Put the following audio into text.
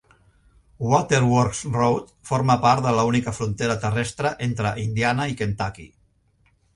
Waterworks Road forma part de l'única frontera terrestre entre Indiana i Kentucky.